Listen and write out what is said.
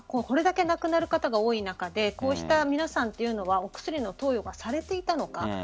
これだけ亡くなる方が多い中でこうした皆さんというのはお薬の投与がされていたのか。